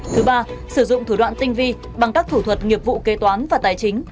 thứ ba sử dụng thủ đoạn tinh vi bằng các thủ thuật nghiệp vụ kê toán và tài chính